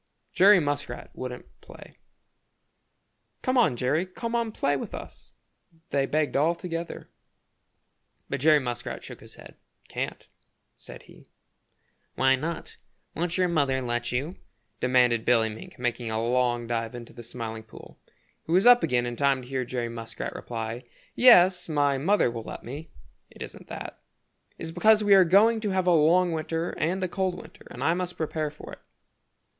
Jerry Muskrat wouldn't play. "Come on, Jerry, come on play with us," they begged all together. But Jerry shook his head. "Can't," said he. "Why not? Won't your mother let you?" demanded Billy Mink, making a long dive into the Smiling Pool. He was up again in time to hear Jerry reply: "Yes, my mother will let me. It isn't that. It's because we are going to have a long winter and a cold winter and I must prepare for it."